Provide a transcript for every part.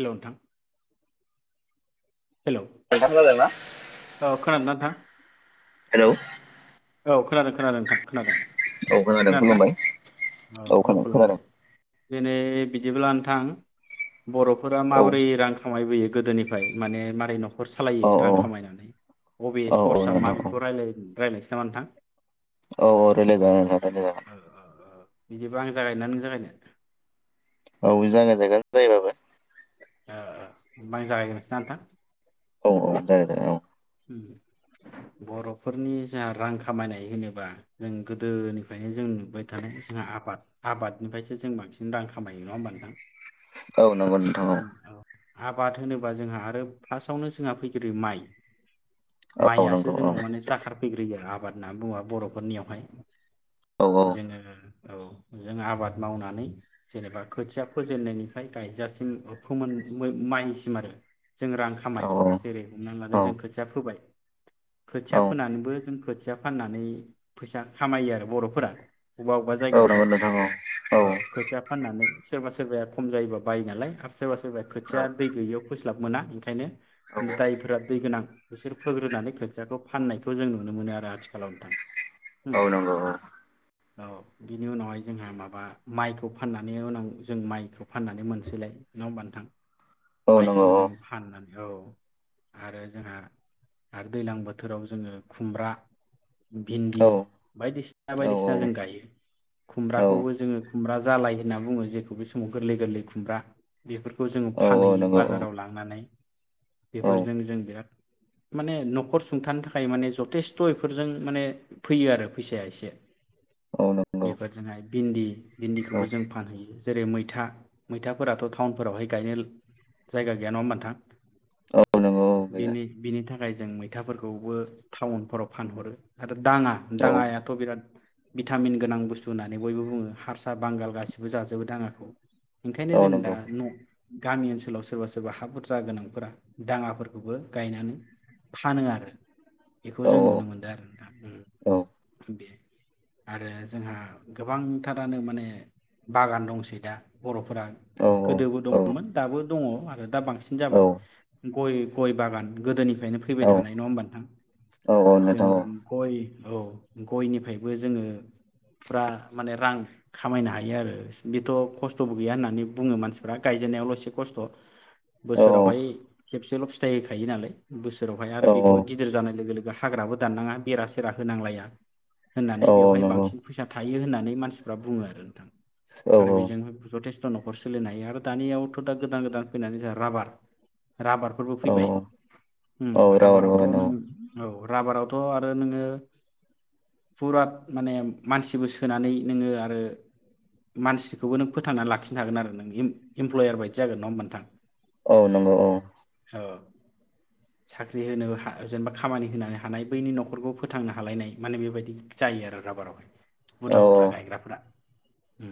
हेल' नोंथां। हेल' औ नोंथां खोनादोंना? खोनादों ना नोंथां? हेलौ औ खोनादों खोनादों नोंथां खोनादों। औ खोनादों खुलुमबाय औ खोनादों खोनादों। दिनै बिदिब्ला नोंथां बर'फोरा औ माबोरै रां खमायबोयो गोदोनिफ्राय माने मारै दं न'खर औ सालायो रां खामायो अबे औ औ सर्सआ मा नोंथां औ बेखौ रायलायनि। रायलायसै। औ आं नोंथां। औ औ रायलाय जागोन नोंथां रायलाय जागोन। ओ ओ ओ बिदिबा आं जागायनो ना नों जागायनो? औ जागाय जागोन जायोबाबो। ओ ओमबा आं जागायगोरनोसै ना नोंथां? औ औ जागाय जागाय औ। उम बर'फोरनि जोंहा रां खामायनाय होनोबा जों गोदोनिफ्रायनो जों नुबाय थानाय जोंहा आबाद आबादनिफ्रायसो जों बांसिन रां खामायो नङा होमबा नोंथां? औ नंगौ नोंथां औ। आबाद होनोबा जोंहा आरो फार्स्टआवनो जोंहा फैग्रोयो माइ। औ माइयासो नंगौ औ जोंनाव माने जाखारफैग्रोयो आबाद होनना बुङो बर'फोरनियावहाय। औ जोङो औ जों आबाद मावनानै जेनेबा खोथिया फोजेननायनिफ्राय गायजासिम फोन माइसिम आरो जों रां औ खामायो जेरै हमनानै लाानो जोंखौ औ दुबाइ खोथिया औ फोनानैबो जों खोथिया फैसा फाननानै फैसा खामायो आरो बर'फोरा अबेबा अबेबा जायगायावहाय औ खोथिया फाननानै सोरबा सोरबाया खम जायोबा बायो नालाय सोरबा सोरबा खोथिया दै गैययाव फोस्लाब मोना ओंखायनो दायफोरा दै गोनां बिसोर फोग्रोनानै खोथियाखौ फाननायखौ जों नुनो मोनो आरो आथिखालाव नोंथां उम औ नंगौ औ औ बिनि उनावहाय जोंहा माबा माइखौ फाननानै उनाव जों माइखौ फाननानै मोनसैलाय नङा होनबा नोंथां औ औ माइखौ नंगौ जों फाननानै औ आरो जोंहा आरो दैलां बोथोराव जोङो खुमब्रा भिन्दि औ बायदिसिना औ बायदिसिना जों गायो औ खुमब्राखौबो जोङो खुमब्रा जालाय होनना बुङो जेखौ बे समाव गोरलै गोरलै खुमब्रा बेफोरखौ जोङो औ फानहैयो नंगौ बाजाराव लांनानै औ बेफोरजों जों बिराद माने न'खर सुंथानो थाखाय माने जथेस्थ' बेफोरजों माने फैयो आरो फैसाया एसे औ नंगौ बेफोरजोंहाय भिन्दि औ भिन्दिखौबो जों फानहैयो जेरै मैथा मैथाफोराथ' टाउनफोरावहाय गायनो जायगा गैया नङा होमबा नोंथां औ नंगौ औ गैया बिनि बिनि थाखाय जों मैथाफोरखौबो टाउनफोराव फानहरो आ दाङा औ दाङायाथ' बिराद भिटामिन गोनां बुस्थु होननानै बयबो बुङो हारसा बांगाल गासिबो जाजोबोदाङाखौ ओंखायनो औ जों दा नंगौ न' गामि ओनसोलाव सोरबा सोरबा हा बुरजा गोनांफोरा दाङाफोरखौबो गायनानै फानो आरो बेखौ औ जों नुनो मोनदों आरो नोंथां औ उम बे आरो जोंहा गोबांथारानो माने बागान दंसै दा बर' फोरा गोदोबो औ औ दंमोन दाबो दङ' आरो दा बांसिन जाबाय औ गय गय बागान गोदोनि फ्रायनो फैबाय औ थानाय नङा होमबा नोंथां औ औ जों नोंथां औ गय औ गयनिफ्रायबो जोङो फुरा माने रां खामायनो हायो आरो बेथ' खस्थ'बो गैया होननानै बुङो मानसिफ्रा गायजेननायावल' एसे खस्थ' औ बोसोरावहाय खेबसेल' फिथाइ थायो नालाय। बोसोरावहाय आरो औ बेखौहाय गिदिर जानाय लोगो लोग हाग्राबो दाननाङा बेरा सेरा होनांलाया। होननानै औ बेवहाय नंगौ बांसिन फैसा था हायो होननानै मानसिफ्रा बुङो आरो नोंथां। औ आरो बेजोंनो जथेस थ' न'खर सोलिनो हायो आरो दानियावथ' दा गोदान गोदान फैनानै जोंहा राबार राबारफोरबो औ फैबाय। ओम औ राबार राबारावथ' बागान औ नों औ राबारावथ' आरो नोङो फुरात माने मानसिबो सोनानै नोङो आरो मानसिखौबो नों फोथांनानै लाखिनो हागोन आरो नों इमप्लयार बायदि जागोन नङा होमबा नोंथां। औ नंगौ औ। ओ। साख्रि होनो हा-जेनेबा खामानि होनो हानाय बैनि न'खरखौ फोथांनो हालायनाय माने बेबायदि जायो आरो राबाराव। बुरजा औ बुरजा गायग्राफ्रा। उम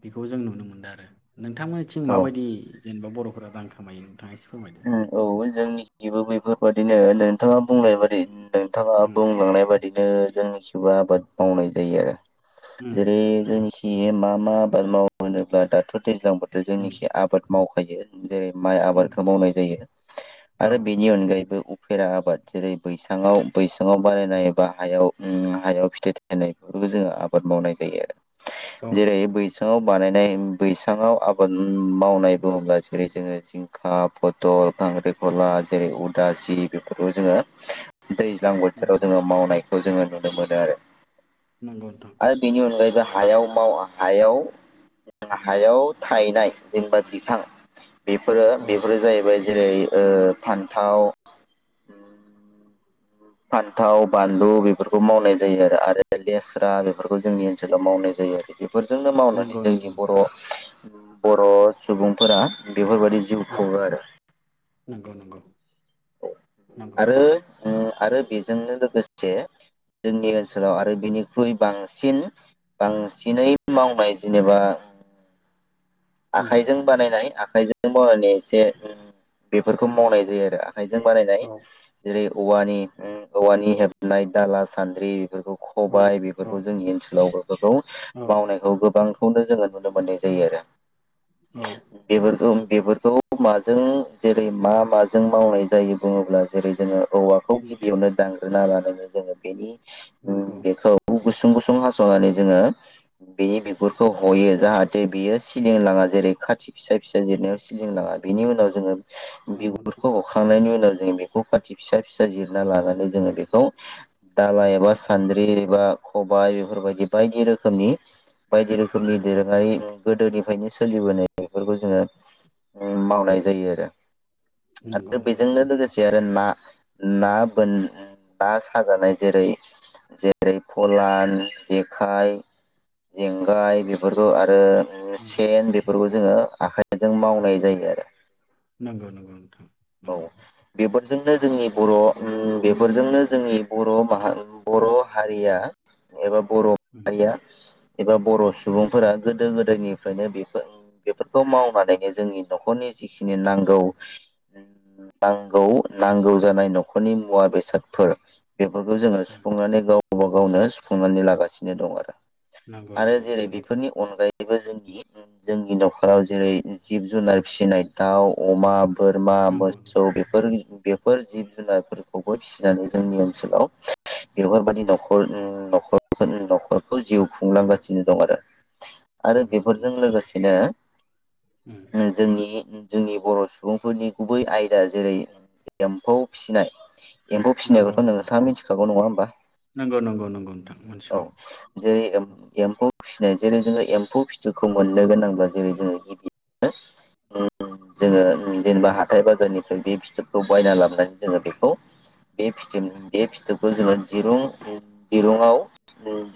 बेखौ जों नुनो मोनदो आरो। नोंथांमोनिथिं माबायदि जेनेबा बर'फोरा रां खामायो नोंथाङा एस ओम औ जोंनिखिबो बैफोरबाददिनो नोंथाङा बुंलायबादि। नोंथाङा उम बुंलांनाय बायदिनो जोंनिखिबो आबाद मावनाय जायो आरो। उम जेरै जोंनिखि बे मा मा आबाद माव होनोब्ला दाथ' दैज्लां बोथोर उम जोंनिखि आबाद माव बायो जेरै माइ आबाद उम उम खो मावनाय जायो औ आरो बेनि अनगायैबो। फेरा आबाद जेरै बैसाङाव बैसाङाव बानायनाय बा हायाव हायाव फिथाइ थनाय बेफोरखौ जोङो आबाद मावनाय जायो आरो। जेरै नोंथां औ बैसाङाव बानायनाय बैसाङाव आबाद मावनाय बुङोब्ला जेरै जोङो खा फथल खांख्रिखला जेरै उदासि बेफोरखौ जोङो। दैज्लां नंगौ बोथोराव जोङो नोंथां मावनाय। जोङो नुनो मोनो आरो। नंगौ नोंथां आरो बिनि अनगायबो। हायाव माव हायाव हायाव थायनाय जेनेबा बिफां बेफोरो। औ बेफोरो नोंथां जाहैबाय। जेरै ओ फान्थाव फान्थाव बानलु बेफोरखौ मावनाय जायो आरो आरो लेस्रा बेफोरखौ जोंनि ओनसोलाव ओनसोलाव मावनाय जायो आरो बेफोरजोंनो मावनानै नंगौ नंगौ जोंनि बर' बर' सुबुंफोरा बेफोरबायाददि जिउ औ खुङो नोंथां आरो। नंगौ नंगौ नंगौ आरो नोंथां उम आरो बेजोंनो लोगोसे जोंनि ओनसोलाव आरो बिनिख्रुइ बांसिन बांसिनै मावनाय जेनेबा उम आखाइजों नोंथां बानायनाय आखाइजों। [unintelligible] लोगोसे बेफोरखौ औ मावनाय जायो आरो आखाइजों बानायनाय औ जेरै औवानि औवानि हेबनाय दाला सान्द्रि। बेफोरखौ औ खबायाइ औ बेफोरखौ जोंनि ओनसोलावबो। फोर औ मावनायखौ गोबां बेखौनो जोङो नुनो मोन्नाय जायो आरो औ बेफोरखौ बेफोरखौ माजों जेरै मा माजों मावनाय जायो बुङोब्ला जेरै जोङो औवाखौ उम गिबियावनो दा [unintelligible] जोङो बेनि उम नंगौ। बेखौ गुसुं गुसुं हास‌'नानै जोङो बेनि बिगुरखौ हयो जाहाथे बियो। सिलिंनो लाङा जेरै खाथि फिसा फिसा जिरनायाव सिलिं लाङा बेनि उनाव जोङो। नंगौ नोंथां बिगुरखौ हखांनायनि उनाव। बेखौ खाथि फिसा फिसा जिरना लानानै जोंङो बेखौ दालाइ एबा सान्द्रि एबा खबाय बेफोरबायदि बायदि रोखोमनि बायदि रोखोमनि दोरोंआरि ओंखायनो सोलिबोनाय बेफोरखौ जोङो मावनाय जायो आरो। नंगौ आरो नंगौ बेजोंनो नोंथां लोगोसे आरो ना ना बोन ना साजानाय जेरै जेरै फलान जेखाइ जेंगाय बेफोरखौ आरो [inaudible] फेन बेफोरखौ नंगौ जोङो आखायजों माव जायो आरो नंगौ नंगौ नोंथां। औ नंगौ बेफोरजोंनो औ जोंनि बर' बेफोरजोंनो जोंनि बर' माहा बर' हारिया एबा उम बर'हारिया एबा बर' सुबुंफोरा गोदो गोदायनिफ्रायनो बेफोर बेफोरखौ मावनानैनो जोंनि न'खरनि जिखिनि नांगौ नांगौ नांगौ जानाय न'खरनि मुवा बेसादफोर बेफोरखौ जोङो नोंथां सुफुंनानै गावबा गाव गावनो सुफुंनानै लागासिनो दं आरो नंगौ आरो नंगौ जेरै नोंथां बेफोरनि अनगायै जोंनि न'खराव जेरै जिब जुनार फिसिनाय दाउ अमा बोर बोरमा नंगौ नंगौ मोसौ नोंथां बेफोरो फोर जिब जुनारफोरखौबो फिसिनानै जोंनि ओनसोलाव बेफोरबायादि न'खर नख- न'खरखौ जिउ खुंलांगासिनो दं आरो आरो नंगौ नंगौ बेफोरजों नोंथां लोगोसेनो उम जोंनि जोंनि बर' सुबुं फोरनि गुबै आयदा जेरै एम्फौ फिसिनाय एम्फौ नंगौ फिसिनायखौथ' नंगौ नोंथाङा नोंथां मिथिखागौ नङा होमबा नंगौ नंगौ नंगौ नोंथां औ मोनथिगौ जेरै एम्फौ फिसिनाय जेरै जोङो एम्फौ फिथुखौ मोननो गोनांब्ला जेरै जोङो गिबियावनो उम जोङो जेनेबा हाथाय बाजारनिफ्राय बे फिथोबखौ बायना लाबोनानै जोङो बेखौ बे फिथोब बे फिथोबखौ जोङो दिरुं दिरुङाव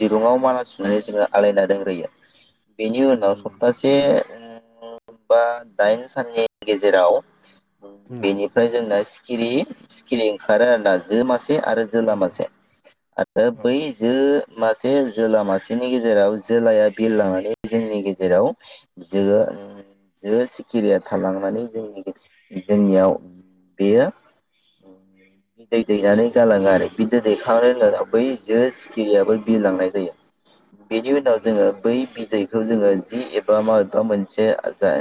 दिरुङाव माला सुनानै जोङो आलायना दोनग्रोयो बेनि नंगौ उनाव नंगौ नोंथां सप्तासे [unintelligible] बा दाइन साननि गेजेराव नंगौ बेनिफ्राय जोंना सिखिरि सिखिरि ओंखारो आरो ना जो मासे [unintelligible] [unintelligible] आरो औ जोला नोंथां मासे आरो औ बै जो मासे जोला मासेनि गेजेराव जोलाया बिरलांनानै जोंनि गेजेराव जो जो सिखिरिया थालांनानै जोंनि [unintelligible] जोंनियाव बेयो [unintelligible] बिदै दैनानै गाङो आरो बिदै उम दैखांनायनि उम उनाव बै जो केिरियाबो बिर लांनाय जायो। बेनि उनाव नंगौ जोङो नोंथां बै बिदैखौ जोङो जि एबा माबेबा मोनसे ओ जाय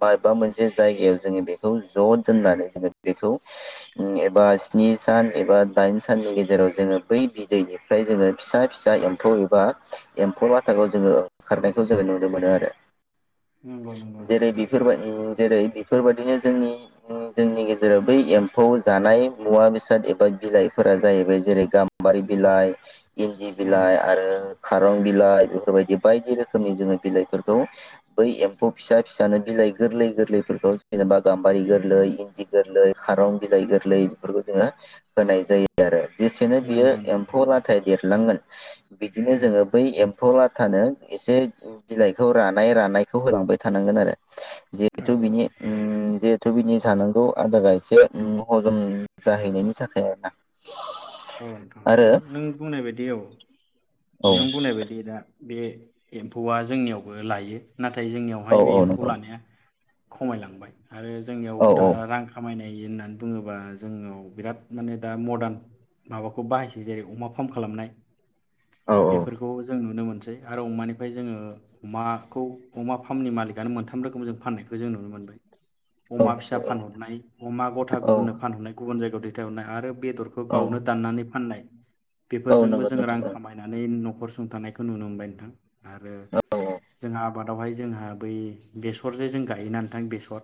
माबेबा मोनसे जायगायाव जोंनि बेखौ ज' दोननानै जोङो बेखौ एबा स्नि सान एबा दाइन साननि गेजेराव जोङो बै बिदैनिफ्राय जोङो फिसा फिसा एम्फौ एबा एम्फौ बाथाखौ जोङो ओंखारनायखौ जोङो नुनो मोनो आरो नंगौ नंगौ नोंथां जेरै बेफोरबा नंगौ जेरै बेफोरबायदि [unintelligible] जोंनि जोंनि गेजेराव बै एम्फौ जानाय मुवा बेसाद एबा बिलाइफोरा जाहैबाय जेरै गाम बारि नंगौ बिलाइ इन्दि बिलाइ नंगौ आरो खारं बिलाइ बेफोरबायदि बायदि रोखोमनि जोङो बिलाइफोरखौ बै एम्फौ फिसा फिसानो बिलाइ गोरलै गोरलैफोरखौ जेनेबा गाम्बारि गोरलै इन्दि गोरलै खारं बिलाइ गोरलै बेफोरखौ जोङो होनाय जायो आरो जेसेनो बियो नंगौ नंगौ एम्फौ लाथाय देरलांगोन बिदिनो उम जोङो बै एम फौ लाथानो एसे बिलाइखौ रानाय रानायखौ होलांबाय थानांगोन आरो औ जिहेतु बिनि उम जिहेथु बिनि जानांगौ आदारा एसे हजम जाहैनायनि थाखाय आर ना औ ओनथां नों बुंनाय बायदि औ नों बुंनाय बायदि दा बे एम्फौआ जोंनियावबो लायो नाथाय आरो औ जोंनियावहाय बे औ एम्फौ नंगौ लानाया खमायलांबाय आरो जोंनियाव औ दा रां खामायनाय होननानै बुङोबा जोंनाव बिराद माने दा मदार्न माबाखौ बाहायसै जेरै अमा फार्म खालामनाय औ बेफोरखौ जों नुनो मोन [unintelligible] आरो अमानिफ्राय जोङो अमाखौ अमा फार्मनि मालिकनो मोनथाम रोखोम जों फाननायखौ जों नुनो मोनदों औ अमा फिसा नंगौ फानहरनाय अमा गथा औ औ गुबुननो फानहरनाय गुबुन जायगायाव दैथाय हर बेदरखौ गावनो नानै फाननाय औ बेफोरजोंबो नंगौ जों नोंथां रां औ खामायनानै न' नख'र सुंथानायखौ नुनो मोनबाय नोंथां आरो औ जों आबाद आवहाय जोंहा बै बेसरजे जों गायोना नोथां बेसर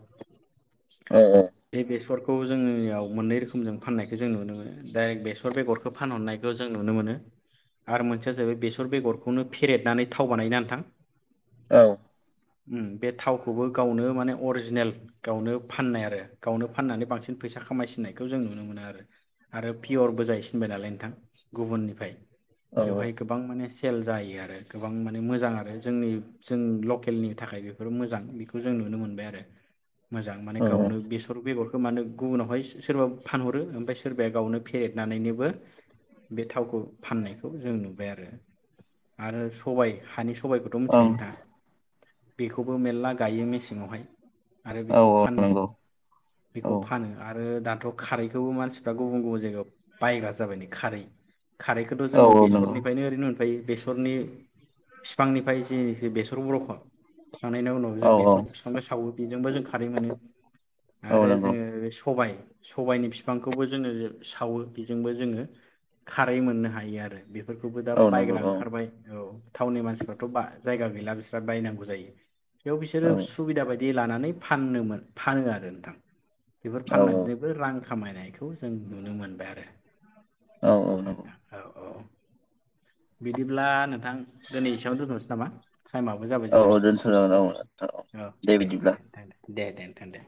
औ औ [inaudible] बे बेसर खौ जोंनियाव मोननै रोखोमजों फाननायखौ जों नुनो मोनो दा बेस बेसर बेगरखौ फानहरनायखौ जों नुनो मोनो आरो मोनसेया जाहैबाय बेसर बेगरखौनो फेरेदनानै थाव बानायो ना नोंथां। औ ओम बे थावखौबो गावनो माने अरिजिनेल गावनो फाननायआरो गावनो फाननानै बांसिन फैसा खामायसिननायखौ जों नुनो मोनो आरो आरो पियर बो जाहैसिनबाय नालाय नोंथां गुबुननिफ्राय। बेवहाय गोबां माने सेल जायो आरो गोबां माने मोजां आरो जोंनि जोंनि लकेलनि थाखाय बेफोर मोजां बेखौ जों नुनो मोनबाय आरो। मोजां माने गावनो बेसर बेगर गोमानो गुबुनावहाय सोरबा फानहरो ओमफ्राय सोरबाया गावनो फे [unintelligible] बे थावखौ फाननायखौ जों नुबायआरो आरो सबाय हानि सबायखौथ' मिथिखायो औ औ नोंथाङा? बेखौबो मेरला गायो मेसें आवहाय। आरो औ बेखौ औ फाननो नंगौ औ बेखौ फानो आरो दाथ' खारैखौबो मानसिफ्रा गुबुन गुबुन जायगायाव बायग्रा जाबाय ना खारै। खारैखौथ' जोङो नंगौ बेसरनिफ्रायनो ओरैनो ओमफाय बेसरनि बिफांनिफ्राय जि बेसर [unintelligible] ' थांनायनि उनाव औ जों बेसर बिफांखौ सावो। बेजोंबो जों खारै मोनो औ आरो नंगौ जोङो सबाय सबायनि फिफांखौबो जोङो सावो। बेजोंबो जोङो खारै मोननो हायोआरो। बेफोरखौबो दा औ नंगौ बायग्रा औ ओंखारबाय औ। टाउननि मानसिफ्राथ' बा जायगा गैला बिस्रा बायनांगौ जायो बेयाव बिसोरो औ सुबिदा बायदि लानानै फाननो मो फानो आरो नोंथां। बेफोर औ फाननानैबो रां खामायनायखौ जों नुनो मोनबाय आरो। औ नंगौ औ औ बिदिब्ला नोंथां दिनै एसेयावनो दोन्थ'सै नामा? टाइमाबो जाबाय औ जोंहा औ दोनथ' समा जाबाय जागोन औ दे बिदिब्ला दे नोंथां दे। दे नोंथां दे।